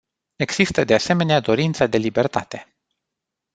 Există, de asemenea, dorința de libertate.